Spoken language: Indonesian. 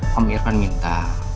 pak irfan minta